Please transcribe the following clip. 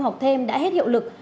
học thêm đã hết hiệu lực